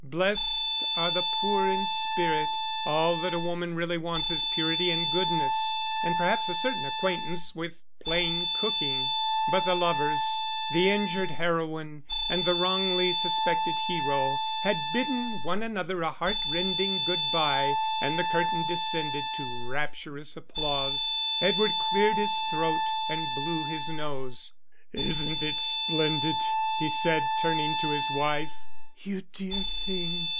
Blessed are the poor in spirit: all that a woman really wants is purity and goodness, and perhaps a certain acquaintance with plain cooking. But the lovers, the injured heroine and the wrongly suspected hero, had bidden one another a heartrending good bye, and the curtain descended to rapturous applause. Edward cleared his throat and blew his nose. "Isn't it splendid?" he said, turning to his wife. "You dear thing!"